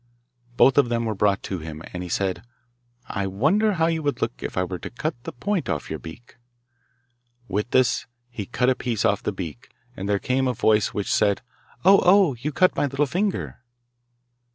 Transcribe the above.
Both of them were brought to him, and he said, 'I wonder how you would look if I were to cut the point off your beak.' With this he cut a piece off the beak, and there came a voice which said, 'Oh, oh, you cut my little finger!